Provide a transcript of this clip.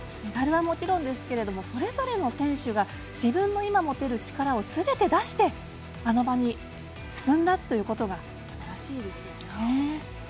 メダルはもちろんですけれどもそれぞれの選手が自分の今持てる力をすべて出してあの場に進んだということがすばらしいですよね。